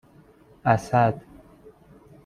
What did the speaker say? اَسد